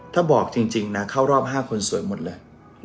แต่ตอนรอบ๕คนสวยหมดเลย